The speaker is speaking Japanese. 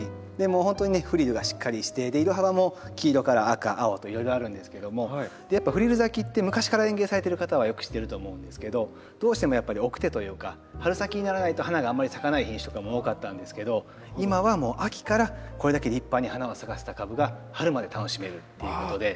もうほんとにねフリルがしっかりして色幅も黄色から赤青といろいろあるんですけどもやっぱフリル咲きって昔から園芸されている方はよく知っていると思うんですけどどうしてもやっぱり晩生というか春先にならないと花があんまり咲かない品種とかも多かったんですけど今はもう秋からこれだけ立派に花を咲かせた株が春まで楽しめるっていうことで。